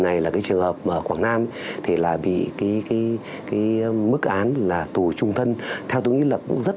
này là cái trường hợp ở quảng nam thì là bị cái mức án là tù trung thân theo tôi nghĩ là cũng rất